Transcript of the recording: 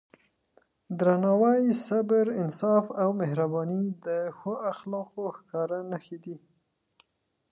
درناوی، صبر، انصاف او مهرباني د ښو اخلاقو ښکاره نښې دي.